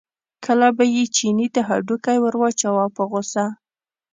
کله به یې چیني ته هډوکی ور واچاوه په غوسه.